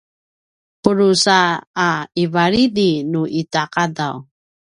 pudrusa a ivalidi nu ita qadaw